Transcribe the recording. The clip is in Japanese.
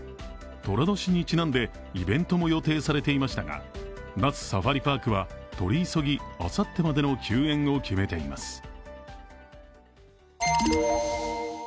とら年にちなんでイベントも予定されていましたが、那須サファリパークは取り急ぎあさってまでの休園を決めています。